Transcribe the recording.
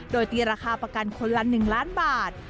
โดยตีราคาประกันคนละ๑ล้านบาท